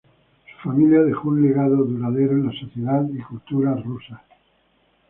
Su familia dejó un legado duradero en la sociedad y cultura rusas.